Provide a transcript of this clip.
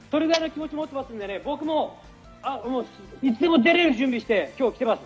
それぐらいの気持ちを持ってますので、僕もいつでも出られる準備をして、今日は来ています。